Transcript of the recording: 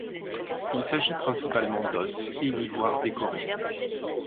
Il s’agit principalement d’os et d’ivoires décorés.